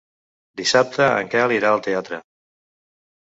Dissabte en Quel irà al teatre.